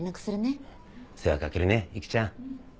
世話かけるね育ちゃん。